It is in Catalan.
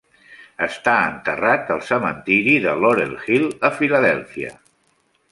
Està enterrat al cementiri de Laurel Hill, a Filadèlfia.